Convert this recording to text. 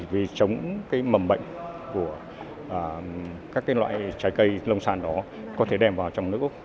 vì chống cái mầm bệnh của các loại trái cây lông sàn đó có thể đem vào trong nước úc